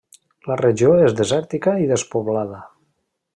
La regió és desèrtica i despoblada.